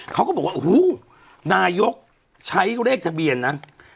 เขาก็บอกว่าอู้วนายกใช้เลขทะเบียนนะ๕๕๕๙